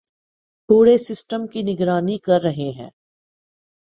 پورے سسٹم کی نگرانی کررہے ہیں